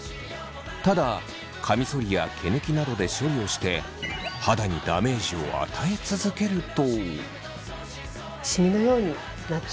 ただカミソリや毛抜きなどで処理をして肌にダメージを与え続けると。